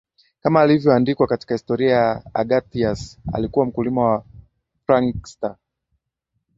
kama ilivyoandikwa katika Historia ya Agathias alikuwa mkulima wa prankster